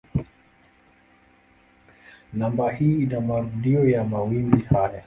Namba hii ni marudio ya mawimbi haya.